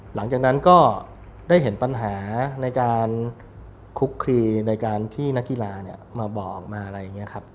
หลังจากนั้นก็ได้เห็นปัญหาในการคุกคลีในการที่นักกีฬามาบอกมาอะไรอย่างนี้ครับ